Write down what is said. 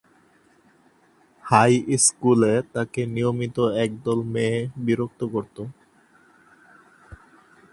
High স্কুলে তাকে নিয়মিত একদল মেয়ে বিরক্ত করত।